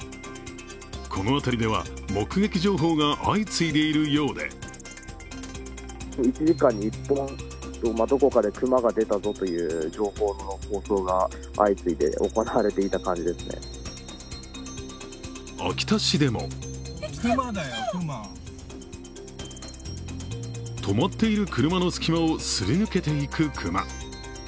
この辺りでは目撃情報が相次いでいるようで秋田市でも止まっている車の隙間をすり抜けていく熊。